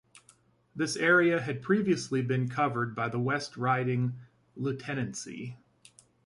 This area had previously been covered by the West Riding lieutenancy.